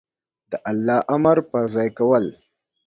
د الله امر په ځای کول